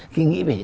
khi nghĩ về